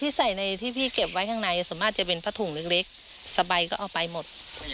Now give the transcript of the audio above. ใส่ในที่พี่เก็บไว้ข้างในส่วนมากจะเป็นผ้าถุงเล็กสบายก็เอาไปหมด